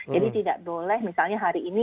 jadi tidak boleh misalnya hari ini